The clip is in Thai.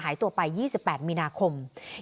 หายตัวไป๒๘มีนาคม